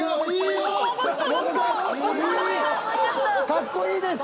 かっこいいです。